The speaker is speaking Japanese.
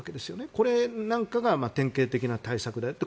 これなんかが典型的な対策だと。